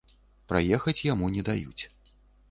Праехаць яму не даюць.